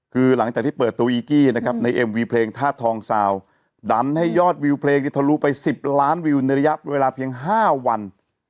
คือหลังจากที่เปิดตัวอีกี้นะครับในเอ็มวีเพลงธาตุทองซาวดันให้ยอดวิวเพลงนี้ทะลุไป๑๐ล้านวิวในระยะเวลาเพียง๕วัน